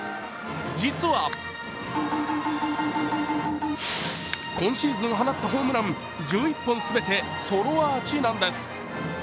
実は今シーズン放ったホームラン１１本全てソロアーチなんです。